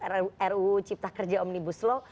ruu cipta kerja omnibus law